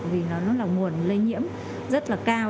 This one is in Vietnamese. vì nó là nguồn lây nhiễm rất cao